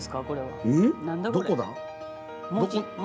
どこだ？